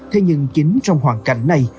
thế nhưng chính trong hoàn cảnh này